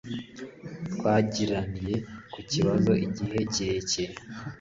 Twaganiriye ku kibazo igihe kirekire.